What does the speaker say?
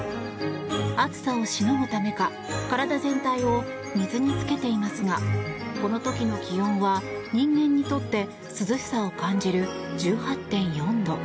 暑さをしのぐためか体全体を水につけていますがこの時の気温は、人間にとって涼しさを感じる１８．４度。